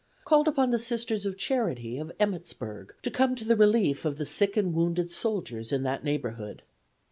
called upon the Sisters of Charity of Emmittsburg to come to the relief of the sick and wounded soldiers in that neighborhood.